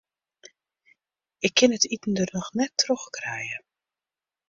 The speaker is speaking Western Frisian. Ik kin it iten der net troch krije.